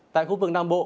tại khu vực nam bộ